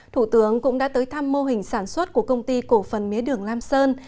thủ tướng cũng đã tới thăm mô hình sản xuất của công ty cổ phần mía đường lam sơn